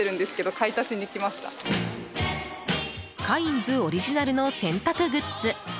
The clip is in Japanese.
カインズオリジナルの洗濯グッズ